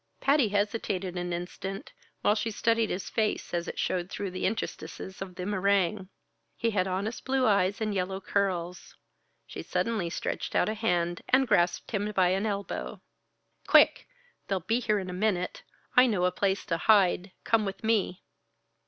Patty hesitated an instant, while she studied his face as it showed through the interstices of the meringue. He had honest blue eyes and yellow curls. She suddenly stretched out a hand and grasped him by an elbow. "Quick! They'll be here in a minute. I know a place to hide. Come with me."